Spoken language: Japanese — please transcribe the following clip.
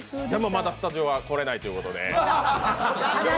でも、まだスタジオは来られないということで。